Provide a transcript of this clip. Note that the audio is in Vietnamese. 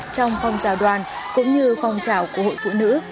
trong phong trào đoàn cũng như phong trào của hội phụ nữ